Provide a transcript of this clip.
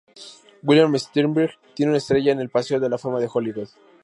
William Steinberg tiene una estrella en el Paseo de la Fama de Hollywood.